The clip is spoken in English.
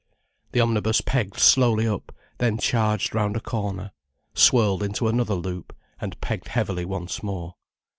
The omnibus pegged slowly up, then charged round a corner, swirled into another loop, and pegged heavily once more.